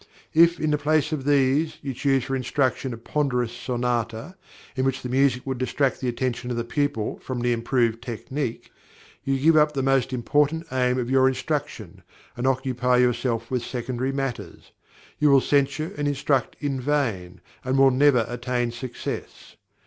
If, in the place of these, you choose for instruction a ponderous sonata, in which the music would distract the attention of the pupil from the improved technique, you give up the most important aim of your instruction, and occupy yourself with secondary matters; you will censure and instruct in vain, and will never attain success.